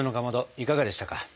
いかがでしたか？